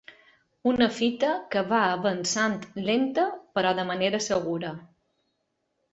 Una fita que va avançant lenta, però de manera segura.